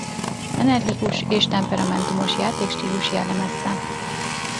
Energikus és temperamentumos játékstílus jellemezte.